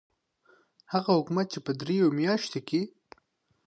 هغه حکومت چې په دریو میاشتو کې.